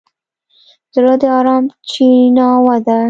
زړه د ارام چیناوه ده.